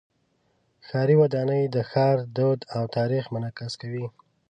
ښاري ودانۍ د ښار دود او تاریخ منعکس کوي.